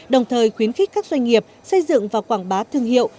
đồng thời khuyến khích các doanh nghiệp xây dựng và quảng bá thương hiệu